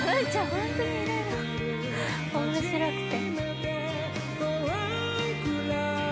ホントにいろいろ面白くて。